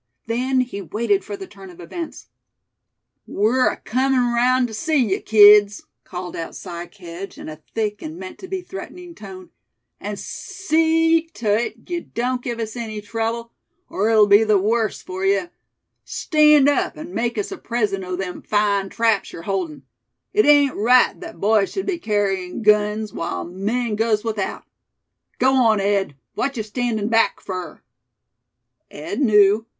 Then he waited for the turn of events. "We're acomin' 'raound tuh see yuh, kids," called out Si Kedge, in a thick and meant to be threatening tone; "an' see tuh it yuh don't give us any trouble; er it'll be the wuss fur ye. Stand up, an' make us a present o' them fine traps yer holdin'. It ain't right thet boys shud be kerryin' guns, w'ile men goes without. Go on, Ed; what yuh standin' back fur?" Ed knew.